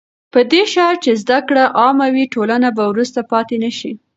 په دې شرط چې زده کړه عامه وي، ټولنه به وروسته پاتې نه شي.